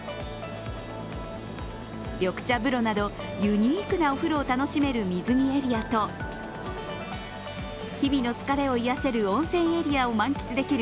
緑茶風呂などユニークなお風呂を楽しめる水着エリアと日々の疲れを癒やせる温泉エリアを満喫できる